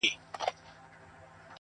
چي اعلان به مو جګړه را میداني کړه!!